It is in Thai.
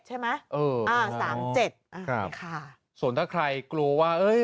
ใช่ไหมเอออ่าสามเจ็ดอ่านี่ค่ะส่วนถ้าใครกลัวว่าเอ้ย